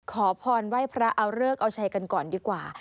ขอพรไหว้พระเอาเลิกเอาชัยกันก่อนดีกว่า